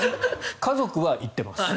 家族は行ってます。